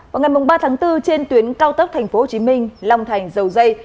vào ngày ba tháng bốn trên tuyến cao tốc tp hcm long thành dầu dây